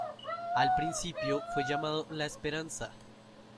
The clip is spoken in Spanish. Al principio, fue llamado La Esperanza.